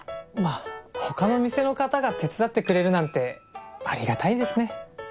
まあ他の店の方が手伝ってくれるなんてありがたいですね。